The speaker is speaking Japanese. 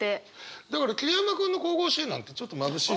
だから桐山君の「神々しい」なんてちょっと「まぶしい」に。